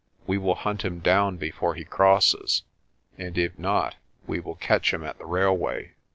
"We will hunt him down before he crosses. And if not, we will catch him at the railway."